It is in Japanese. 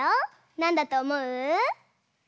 なんだとおもう？